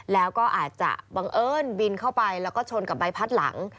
แล้วก็อาจจะบังเอิญบินเข้าไปแล้วก็ชนกับใบพัดหลัง